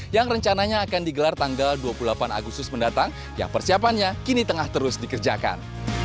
yang rencananya akan digelar tanggal dua puluh delapan agustus mendatang yang persiapannya kini tengah terus dikerjakan